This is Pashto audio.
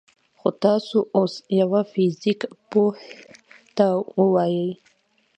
خو تاسو اوس يوه فزيك پوه ته ووايئ: